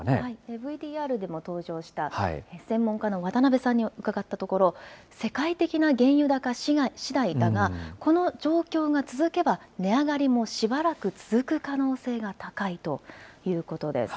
ＶＴＲでも登場した、専門家の渡辺さんに伺ったところ、世界的な原油高しだいだが、この状況が続けば、値上がりもしばらく続く可能性が高いということです。